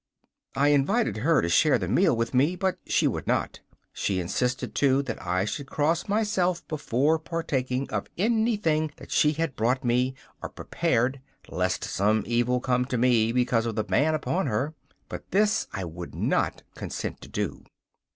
I invited her to share the meal with me, but she would not. She insisted, too, that I should cross myself before partaking of anything that she had brought me or prepared, lest some evil come to me because of the ban upon her; but this I would not consent to do.